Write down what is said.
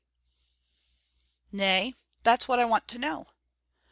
"Nay, that's what I want to know."